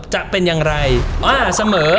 จะเป็นอย่างไรว่าเสมอ